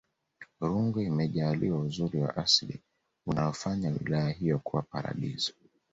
rungwe imejaliwa uzuri wa asili unayofanya wilaya hiyo kuwa paradiso